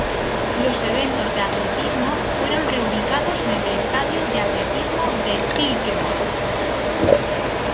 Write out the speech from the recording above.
Los eventos de atletismo fueron reubicados en el Estadio de Atletismo de Silkeborg.